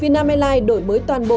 vietnam airlines đổi mới toàn bộ